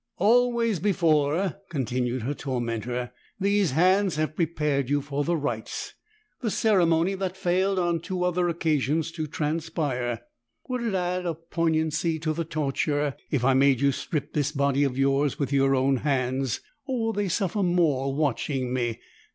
"Always before," continued her tormentor, "these hands have prepared you for the rites the ceremony that failed on two other occasions to transpire. Would it add a poignancy to the torture if I made you strip this body of yours with your own hands? Or will they suffer more watching me?